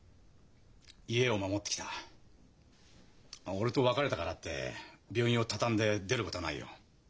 俺と別れたからって病院を畳んで出ることはないよ。